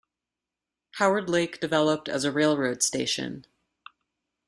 Howard Lake developed as a railroad station.